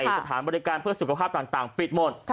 สถานบริการเพื่อสุขภาพต่างปิดหมด